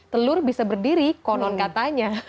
telur bisa berdiri konon katanya